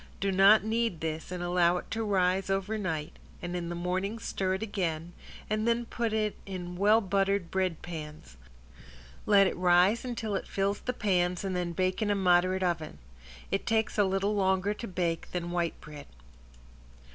Do not knead this and allow it to rise over night, and in the morning stir it again, and then put it in well buttered bread pans: let it rise until it fills the pans and then bake in a moderate oven. It takes a little longer to bake than white bread.